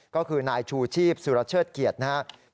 ก็คือนายชูชีพสุรเชิดเกียรตินะครับ